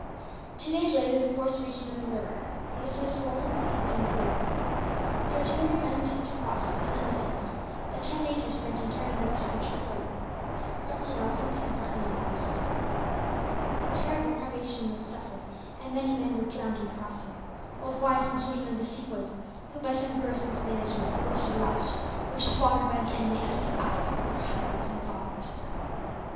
Two days later the force reached another river, but it was so swollen that it was unfordable. The artillerymen were sent across, on elephants; but ten days were spent in carrying the rest of the troops over, partly on elephants and partly on rafts. Terrible privation was suffered, and many men were drowned in crossing; while the wives and children of the Sepoys who, by some gross mismanagement, were left to the last, were slaughtered by the enemy under the eyes of their husbands and fathers.